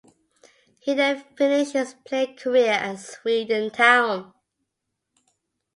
He then finished his playing career at Swindon Town.